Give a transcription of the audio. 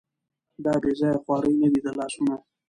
دا بېځايه خوارۍ نه دي د لاسونو